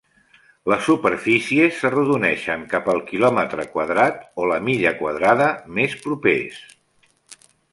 Les superfícies s'arrodoneixen cap al quilòmetre quadrat o la milla quadrada més propers.